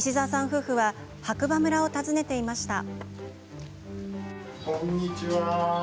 夫婦は白馬村を訪ねていました。